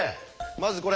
まずこれ。